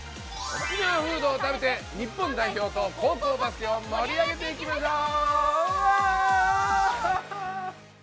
沖縄フードを食べて日本代表と高校バスケを盛り上げていきましょう！